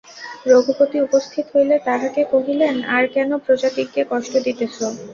রঘুপতি উপস্থিত হইলে তাঁহাকে কহিলেন, আর কেন প্রজাদিগকে কষ্ট দিতেছ?